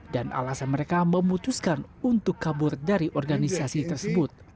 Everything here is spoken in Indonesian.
dan alasan mereka memutuskan untuk kabur dari organisasi tersebut